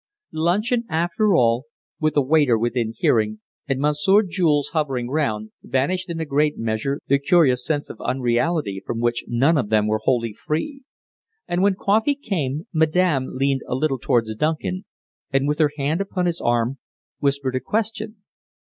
Luncheon, after all, with a waiter within hearing, and Monsieur Jules hovering round, banished in a great measure the curious sense of unreality from which none of them were wholly free. And when coffee came, Madame leaned a little towards Duncan, and with her hand upon his arm whispered a question.